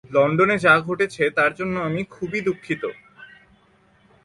লন্ডনে যা ঘটেছে তার জন্য আমি খুবই দুঃখিত।